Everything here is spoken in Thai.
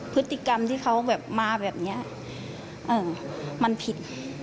พฤติกรรมที่เขาแบบมาแบบนี้มันผิด